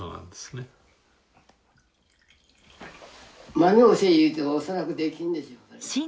まねをせえ言うても恐らくできんでしょうから。